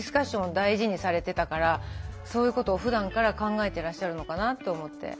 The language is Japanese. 大事にされてたからそういうことをふだんから考えてらっしゃるのかなと思って。